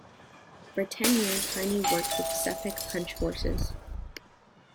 For ten years Heiney worked with Suffolk Punch horses.